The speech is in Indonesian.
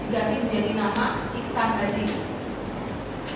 diganti menjadi nama ihsan hadi